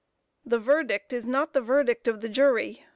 "_The verdict is not the verdict of the jury.